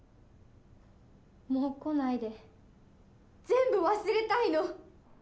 ・もう来ないで・・全部忘れたいの！